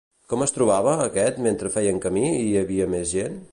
Com es trobava aquest mentre feien camí i hi havia més gent?